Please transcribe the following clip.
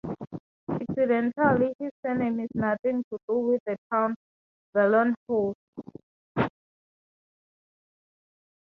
Incidentally, his surname is nothing to do with the town Vollenhove.